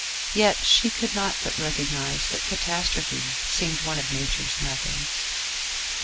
Yet she could not but recognise that catastrophe seemed one of nature's methods....